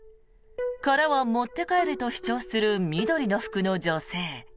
殻は持って帰ると主張する緑の服の女性。